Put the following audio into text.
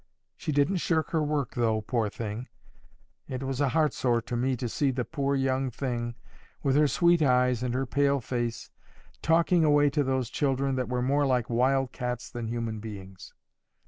She didn't shirk her work though, poor thing. It was a heartsore to me to see the poor young thing, with her sweet eyes and her pale face, talking away to those children, that were more like wild cats than human beings.